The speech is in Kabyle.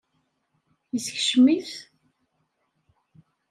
Yeskcem-it?